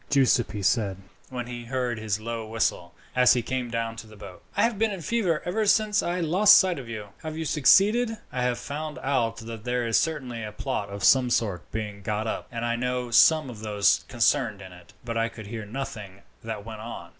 Giuseppi said, when he heard his low whistle, as he came down to the boat. "I have been in a fever ever since I lost sight of you. Have you succeeded?" "I have found out that there is certainly a plot of some sort being got up, and I know some of those concerned in it, but I could hear nothing that went on.